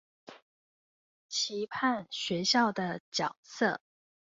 期盼學校的角色